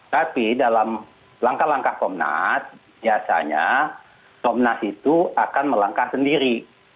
tapi dalam langkah langkah komnas biasanya komnas itu akan melangkah sendiri